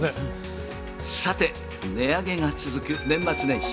さて、値上げが続く年末年始。